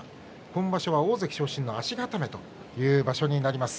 今場所は大関昇進の足固めという場所になります。